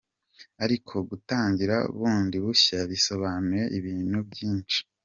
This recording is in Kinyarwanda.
Ariko gutangira bundi bushya bisobanuye ibintu byinshi.”